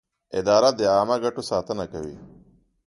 اداره د عامه ګټو ساتنه کوي.